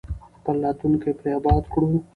خپل راتلونکی پرې اباد کړو.